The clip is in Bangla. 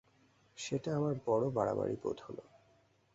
সেটা আমার বড়ো বাড়াবাড়ি বোধ হল।